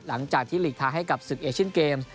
หลังจากที่หลีกทางให้กับศึกเอเชียนเกมส